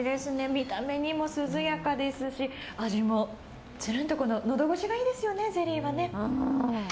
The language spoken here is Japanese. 見た目にも涼やかですし味もつるんと喉越しがいいですよね、ゼリーはね